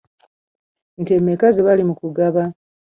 Nte mmeka ze bali mu kugaba?